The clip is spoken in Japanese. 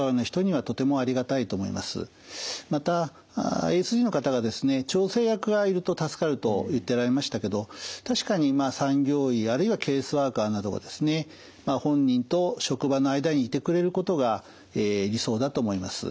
またＡＳＤの方がですね調整役がいると助かると言っておられましたけど確かに産業医あるいはケースワーカーなどがですね本人と職場の間にいてくれることが理想だと思います。